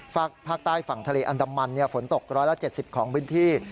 ภาคใต้ฝั่งทะเลอันดามันฝนตก๑๗๐ของพื้นที่